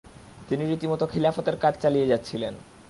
তিনি রীতিমত খিলাফতের কাজ চালিয়ে যাচ্ছিলেন।